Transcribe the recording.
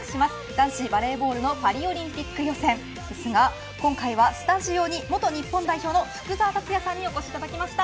男子バレーボールのパリオリンピック予選ですが、今回はスタジオに元日本代表の福澤達哉さんにお越しいただきました。